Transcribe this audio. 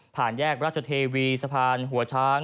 แยกราชเทวีสะพานหัวช้าง